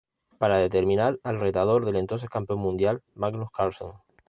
Para determinar al retador del entonces campeón mundial Magnus Carlsen.